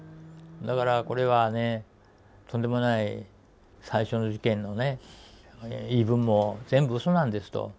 だからこれはねとんでもない最初の事件のね言い分も全部うそなんですと。